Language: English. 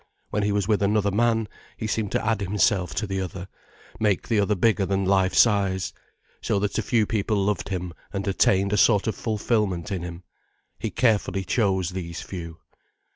When he was with another man, he seemed to add himself to the other, make the other bigger than life size. So that a few people loved him and attained a sort of fulfilment in him. He carefully chose these few.